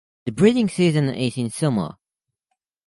The breeding season is in summer.